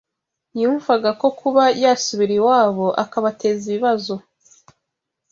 yumvaga ko kuba yasubira iwabo akabateza ibibazo